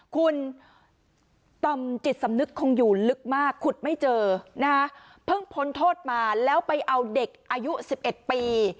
คุณต่อมจิตสำนึกคงอยู่ลึกมากขุดไม่เจอนะฮะเพิ่งพ้นโทษมาแล้วไปเอาเด็กอายุ๑๑ปี